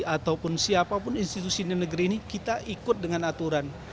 ataupun siapapun institusi di negeri ini kita ikut dengan aturan